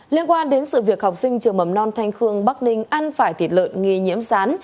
liên quan đến sự việc học sinh trường mầm non thanh khương bắc ninh ăn phải thịt lợn nghi nhiễm sán